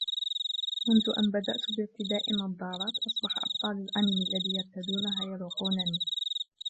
منذ أن بدأت بارتداء النظارات ، أصبح أبطال الأنمي الذي يرتدونها يروقونني.